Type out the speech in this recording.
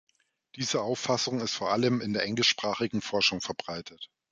Diese Auffassung ist vor allem in der englischsprachigen Forschung verbreitet.